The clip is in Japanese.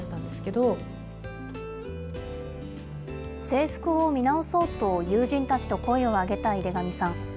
制服を見直そうと友人たちと声を上げた井手上さん。